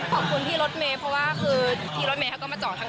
ขอบคุณที่รถเมฆเพราะว่าคือที่รถเมฆเขาก็มาเจาะทาง